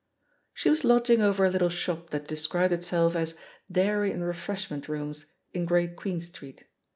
She was lodging over a little shop that de scribed itself as "Dairy and Refreshment Rooms," in Great Queen Street.